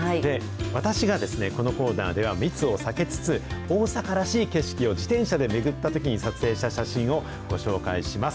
私がこのコーナーでは密を避けつつ、大阪らしい景色を自転車で巡ったときに撮影した写真をご紹介します。